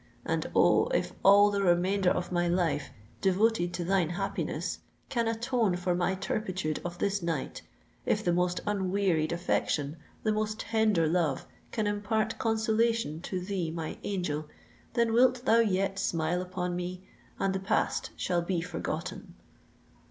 And, oh! if all the remainder of my life, devoted to thine happiness, can atone for my turpitude of this night,—if the most unwearied affection—the most tender love can impart consolation to thee, my angel—then wilt thou yet smile upon me, and the past shall be forgotten."